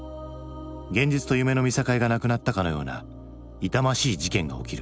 現実と夢の見境がなくなったかのような痛ましい事件が起きる。